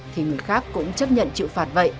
thì người khác cũng chấp nhận chịu phạt vậy